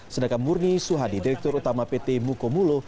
sedangkan murni suhadi direktur utama pt mukomulo